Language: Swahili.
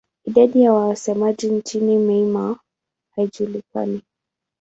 Idadi ya wasemaji nchini Myanmar haijulikani.